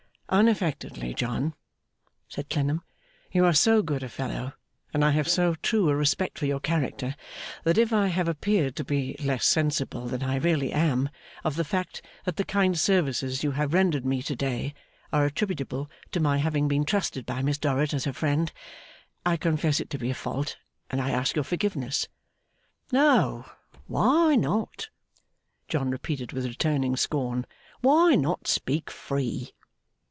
'Unaffectedly, John,' said Clennam, 'you are so good a fellow and I have so true a respect for your character, that if I have appeared to be less sensible than I really am of the fact that the kind services you have rendered me to day are attributable to my having been trusted by Miss Dorrit as her friend I confess it to be a fault, and I ask your forgiveness.' 'Oh! why not,' John repeated with returning scorn, 'why not speak free!